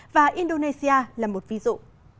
và indonesia là một ví dụ